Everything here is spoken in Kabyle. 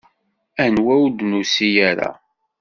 Anwa ur d-nusi ara?